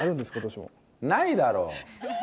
ないだろう。